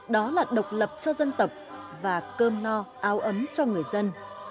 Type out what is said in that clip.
đó là độc lập cho dân tộc và cơm no áo ấm cho người dân